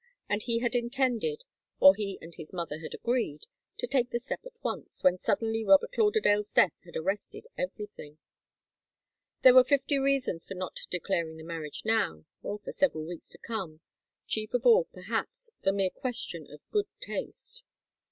And he had intended, or he and his mother had agreed, to take the step at once, when suddenly Robert Lauderdale's death had arrested everything. There were fifty reasons for not declaring the marriage now, or for several weeks to come chief of all, perhaps, the mere question of good taste.